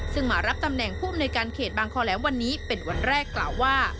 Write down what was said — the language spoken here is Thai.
ซึ่งมารับตำแหน่งผู้อำนวยการเขตบางคอแหลมวันนี้เป็นวันแรกกล่าวว่า